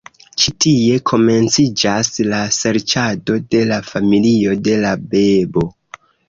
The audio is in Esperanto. Ĉi tie komenciĝas la serĉado de la familio de la bebo.